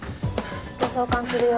じゃあ挿管するよ。